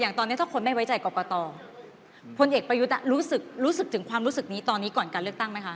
ตอนนี้ถ้าคนไม่ไว้ใจกรกตพลเอกประยุทธ์รู้สึกรู้สึกถึงความรู้สึกนี้ตอนนี้ก่อนการเลือกตั้งไหมคะ